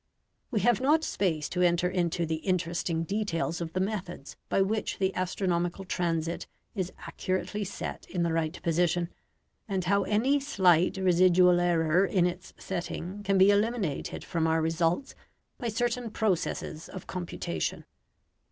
We have not space to enter into the interesting details of the methods by which the astronomical transit is accurately set in the right position, and how any slight residual error in its setting can be eliminated from our results by certain processes of computation.